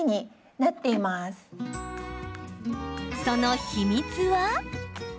その秘密は。